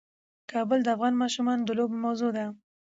کابل د افغان ماشومانو د لوبو موضوع ده.